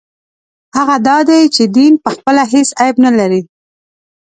هغه دا دی چې دین پخپله هېڅ عیب نه لري.